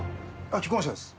既婚者です。